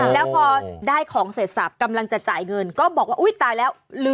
แล้วพอได้ของเสร็จสับกำลังจะจ่ายเงินก็บอกว่าอุ๊ยตายแล้ว